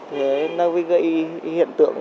thì nó gây hiện tượng